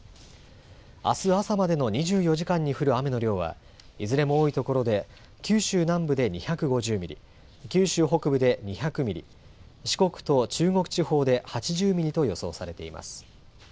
あす朝までの２４時間に降る雨の量はいずれも多い所で、九州南部で２５０ミリ、九州北部で２００ミリ、四国と中国地方で８０ミリと予想されています。